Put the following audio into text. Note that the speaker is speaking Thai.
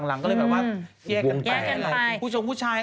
หลังก็เลยแบบว่า